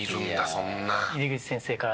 井手口先生から。